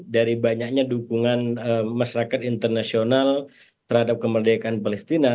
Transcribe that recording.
dari banyaknya dukungan masyarakat internasional terhadap kemerdekaan palestina